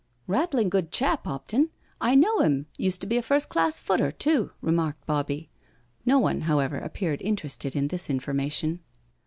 " Rattling good chap, Hopton. I know him— used to be a first class footer too," remarked Bobbie. No one, however, appeared interested in this information.